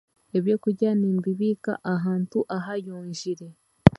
Ebyokurya nimbibiika ahantu ahayonjire